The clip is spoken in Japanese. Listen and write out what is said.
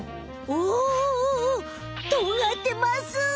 おおとがってます。